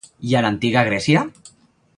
I a l'antiga Grècia?